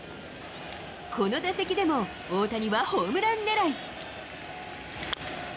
この打席でも大谷はホームラン狙い。